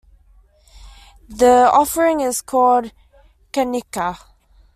The offering is called 'Kanikka'.